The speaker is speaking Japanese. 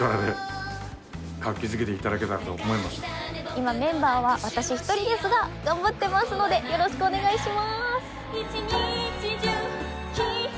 今メンバーは私一人ですが頑張ってますのでよろしくお願いします。